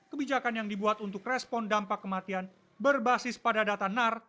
kebijakan yang dibuat untuk respon dampak kematian berbasis pada data nar